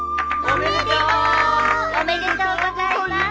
おめでとうございます。